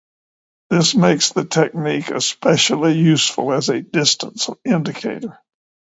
This makes the technique especially useful as a distance indicator.